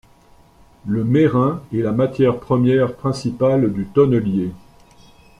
Le merrain est la matière première principale du tonnelier.